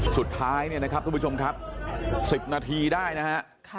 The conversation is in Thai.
สุดท้ายเนี่ยนะครับทุกผู้ชมครับ๑๐นาทีได้นะฮะ